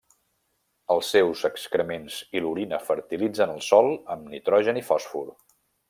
Els seus excrements i l'orina fertilitzen el sòl amb nitrogen i fòsfor.